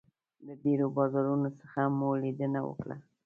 له ډېرو بازارونو څخه مو لیدنه وکړله.